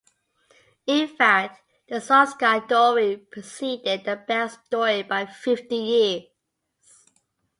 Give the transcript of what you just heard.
In fact, the Swampscott dory preceded the Banks dory by fifty years.